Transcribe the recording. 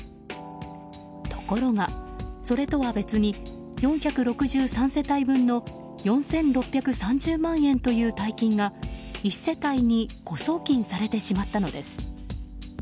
ところが、それとは別に４６３世帯分の４６３０万円という大金が１世帯に誤送金されてしまったのです。